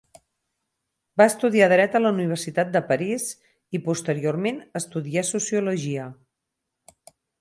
Va estudiar dret a la Universitat de París i posteriorment estudià sociologia.